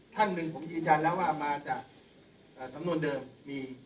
ท่านหนึ่งผมยืนยันแล้วว่ามาจากสำนวนเดิมมี